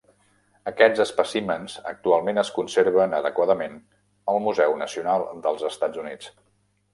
Aquests espècimens actualment es conserven adequadament al Museu Nacional dels Estats Units.